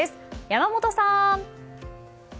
山本さん。